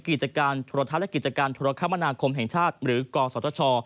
กิจการธุรทัศน์และกิจการธุรคมนาคมแห่งชาติหรือกรสัตว์ธช